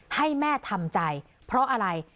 ให้แม่ทำใจเพราะอะไร